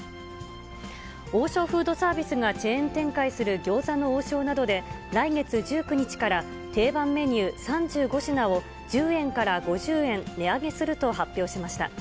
王将フードサービスがチェーン展開する餃子の王将などで、来月１９日から定番メニュー３５品を、１０円から５０円値上げすると発表しました。